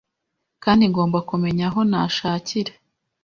kandi ngomba kumenya aho nashakira.